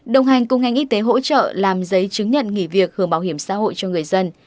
đồng hành cùng ngành y tế hỗ trợ làm giấy chứng nhận nghỉ việc hưởng bảo hiểm xã hội cho người dân